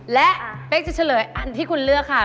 และเป๊กจะเฉลยอันที่คุณเลือกค่ะ